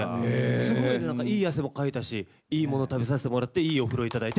すごい何かいい汗もかいたしいいもの食べさせてもらっていいお風呂頂いて。